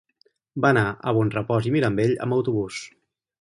Va anar a Bonrepòs i Mirambell amb autobús.